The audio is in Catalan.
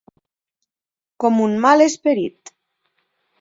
Com un mal esperit.